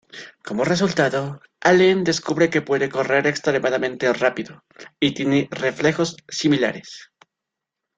Como resultado, Allen descubre que puede correr extremadamente rápido y tiene reflejos similares.